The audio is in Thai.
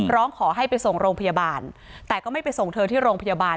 ร้องขอให้ไปส่งโรงพยาบาลแต่ก็ไม่ไปส่งเธอที่โรงพยาบาล